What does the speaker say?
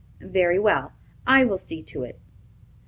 "Very well, I will see to it."